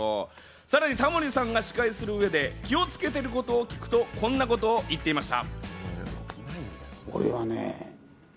さらにタモリさんが司会をする上で気をつけていることを聞くとこんなことを言っていました。